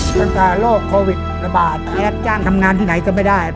ตั้งแต่โรคโควิดระบาดรับจ้างทำงานที่ไหนก็ไม่ได้